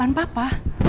di depan papa